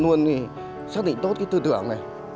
luôn xác định tốt cái tư tưởng này